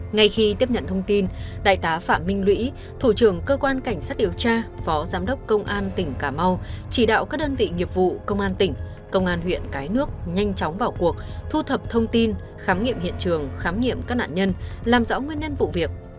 ngay khi tiếp nhận thông tin đại tá phạm minh lũy thủ trưởng cơ quan cảnh sát điều tra phó giám đốc công an tỉnh cà mau chỉ đạo các đơn vị nghiệp vụ công an tỉnh công an huyện cái nước nhanh chóng vào cuộc thu thập thông tin khám nghiệm hiện trường khám nghiệm các nạn nhân làm rõ nguyên nhân vụ việc